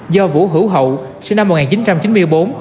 do vũ hữu hậu sinh năm một nghìn chín trăm chín mươi bốn